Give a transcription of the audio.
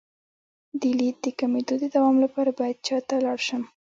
د لید د کمیدو د دوام لپاره باید چا ته لاړ شم؟